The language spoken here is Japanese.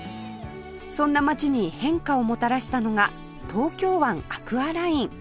そんな街に変化をもたらしたのが東京湾アクアライン